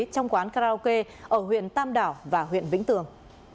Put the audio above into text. trong quán karaoke ở huyện tam đảo và huyện vĩnh tường